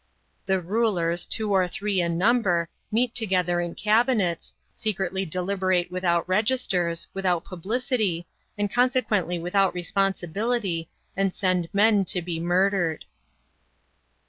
"The rulers, two or three in number, meet together in cabinets, secretly deliberate without registers, without publicity, and consequently without responsibility, and send men to be murdered."